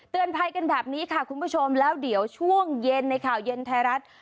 ภัยกันแบบนี้ค่ะคุณผู้ชมแล้วเดี๋ยวช่วงเย็นในข่าวเย็นไทยรัฐ